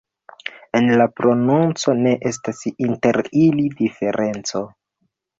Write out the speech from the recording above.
En la prononco ne estas inter ili diferenco.